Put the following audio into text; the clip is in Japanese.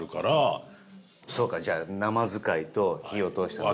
東山：そうか、じゃあ生使いと火を通したもの。